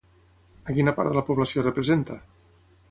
A quina part de la població representa?